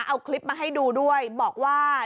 เอาคลิปมาให้ดูด้วยบอกว่า